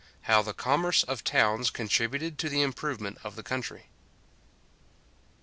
HOW THE COMMERCE OF TOWNS CONTRIBUTED TO THE IMPROVEMENT OF THE COUNTRY.